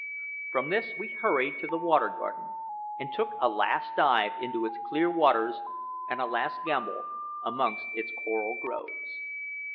From this we hurried to the Water Garden, and took a last dive into its clear waters and a last gambol amongst its coral groves.